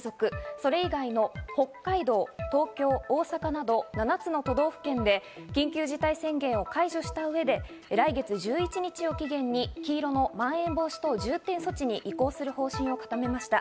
それ以外の北海道、東京、大阪など、７つの都道府県で緊急事態宣言を解除した上で、来月１１日を期限に黄色のまん延防止等重点措置に移行する方針を固めました。